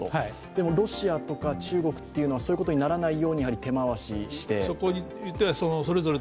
でもロシアとか中国っていうのはそういうのをならないように手回しをして。